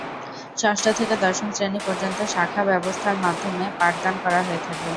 ষষ্ঠ থেকে দশম শ্রেণি পর্যন্ত শাখা ব্যবস্থার মাধ্যমে পাঠদান করা হয়ে থাকে।